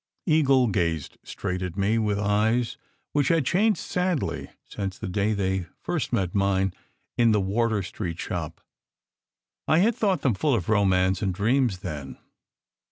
Eagle gazed straight at me, with eyes which had changed sadly since the day they first met mine in the Wardour Street shop. I had thought them full of romance and dreams then.